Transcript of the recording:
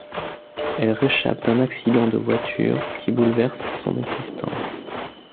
Elle réchappe d'un accident de voiture qui bouleverse son existence.